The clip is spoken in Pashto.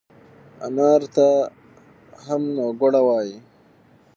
انار ته هم نووګوړه وای